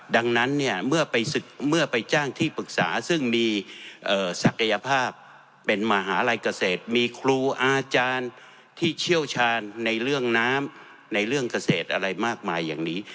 ดังนั้นเนี่ยเมื่อไปจ้างที่ปรึกษาซึ่งมีศักยภาพเป็นมหาลัยเกษตรมีครูอาจารย์ที่เชี่ยวชาญในเรื่องน้ำในเรื่องเกษตรอะไรมากมายอย่างนี้